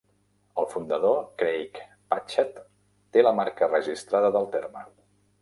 El fundador, Craig Patchett té la marca registrada del terme.